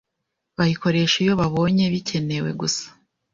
bayikoresha iyo babonye bikenewe gusa